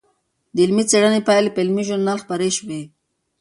د څېړنې پایلې په علمي ژورنال خپرې شوې.